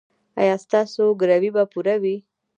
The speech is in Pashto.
ایا ستاسو ګروي به پوره وي؟